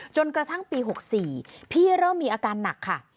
จนกระทั่งปี๖๔พี่เริ่มมีอาการหนักค่ะ